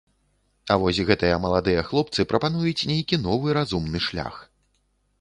А вось гэтыя маладыя хлопцы прапануюць нейкі новы разумны шлях.